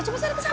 coba cari kesana